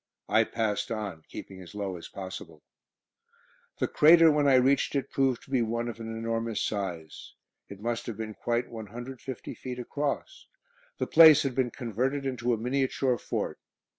I passed on, keeping as low as possible. The crater, when I reached it, proved to be one of an enormous size. It must have been quite 150 feet across. The place had been converted into a miniature fort.